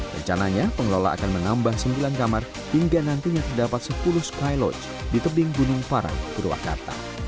rencananya pengelola akan menambah sembilan kamar hingga nantinya terdapat sepuluh skylote di tebing gunung parang purwakarta